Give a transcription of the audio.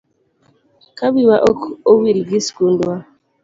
Ka wiwa ok owil gi skundwa.